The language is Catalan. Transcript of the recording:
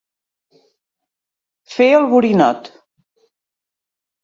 Fer el borinot.